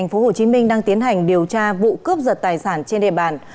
công an quận tân bình tp hcm đang tiến hành điều tra vụ cướp giật tài sản trên đề bàn